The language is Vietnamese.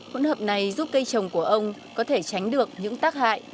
hỗn hợp này giúp cây trồng của ông có thể tránh được những tác hại